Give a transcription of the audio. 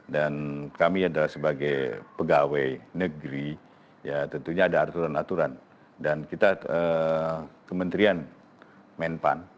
dan kami adalah sebagai pegawai negeri ya tentunya ada aturan aturan dan kita kementerian men panas